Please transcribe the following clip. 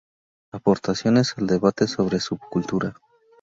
Aportaciones al debate sobre subcultura.